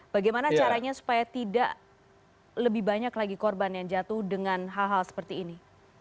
bagaimana caranya supaya tidak lebih banyak lagi korban yang jatuh dengan hal hal seperti ini